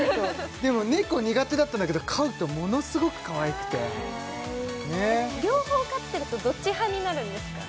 でも猫苦手だったんだけど飼うとものすごくかわいくて両方飼ってるとどっち派になるんですか？